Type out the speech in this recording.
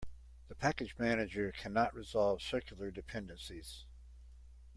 The package manager cannot resolve circular dependencies.